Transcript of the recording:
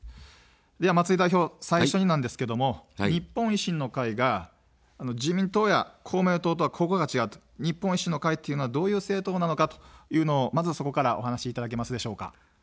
では、松井代表、最初になんですけども日本維新の会が自民党や公明党とはここが違う、日本維新の会というのはどういう政党なのかというのをまずそこからお話しいただけますでしょうか。